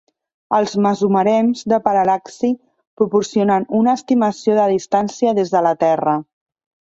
Els mesuraments de paral·laxi proporcionen una estimació de distància des de la Terra.